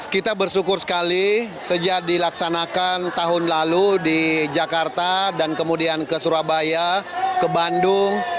kita bersyukur sekali sejak dilaksanakan tahun lalu di jakarta dan kemudian ke surabaya ke bandung